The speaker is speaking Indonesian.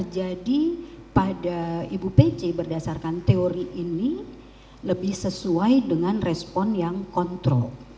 jadi pada ibu pece berdasarkan teori ini lebih sesuai dengan respon yang kontrol